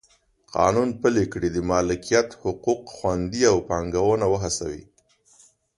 قانون پلی کړي د مالکیت حقوق خوندي او پانګونه وهڅوي.